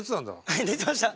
はい寝てました。